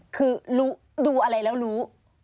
คือรู้ดูอะไรแล้วรู้